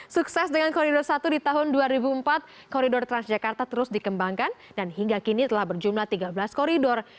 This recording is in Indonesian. sukses dengan koridor satu di tahun dua ribu empat koridor transjakarta terus dikembangkan dan hingga kini telah berjumlah tiga belas koridor